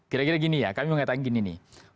kira kira gini ya kami mengatakan gini nih